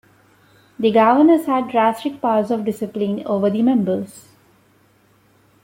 The governors had drastic powers of discipline over the members.